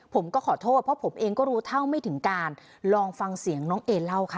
ผมก็ขอโทษเพราะผมเองก็รู้เท่าไม่ถึงการลองฟังเสียงน้องเอเล่าค่ะ